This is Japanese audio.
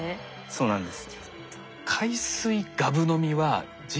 そうなんです。